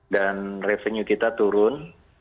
dan revenue kita turun